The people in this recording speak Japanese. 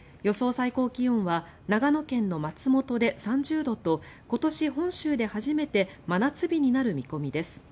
最高気温は長野県の松本で３０度と今年本州で初めて真夏日になる見込みです。